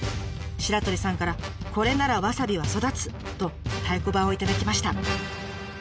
白鳥さんから「これならわさびは育つ！」と太鼓判を頂きました。